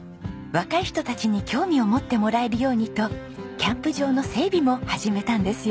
若い人たちに興味を持ってもらえるようにとキャンプ場の整備も始めたんですよ。